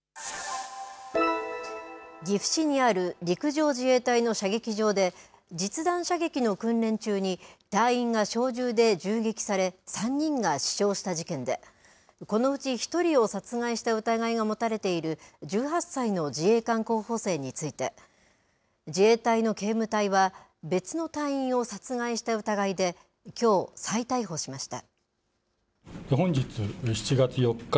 岐阜市にある陸上自衛隊の射撃場で、実弾射撃の訓練中に、隊員が小銃で銃撃され、３人が死傷した事件で、このうち１人を殺害した疑いが持たれている１８歳の自衛官候補生について、自衛隊の警務隊は別の隊員を殺害した疑いできょう、再逮捕しました。